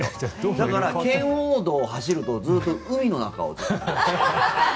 だから、圏央道を走るとずっと海の中を。